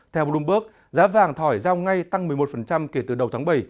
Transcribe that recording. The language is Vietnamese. theo bloomberg giá vàng thỏi giao ngay tăng một mươi một kể từ đầu tháng bảy